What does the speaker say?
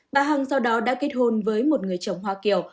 bà hằng sau đó đã kết hôn với một người chồng hoa kiều